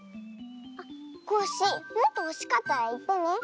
あっコッシーもっとほしかったらいってね。